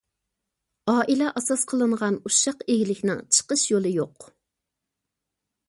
ئائىلە ئاساس قىلىنغان ئۇششاق ئىگىلىكىنىڭ چىقىش يولى يوق.